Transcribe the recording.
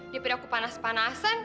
dia pada aku panas panasan